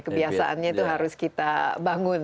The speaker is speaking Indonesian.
kebiasaannya itu harus kita bangun